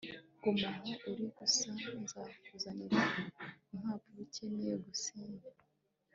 guma aho uri gusa nzakuzanira impapuro ukeneye gusinya